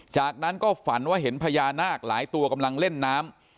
จากนั้นก็ฝันว่าเห็นพญานาคหลายตัวกำลังเล่นน้ำ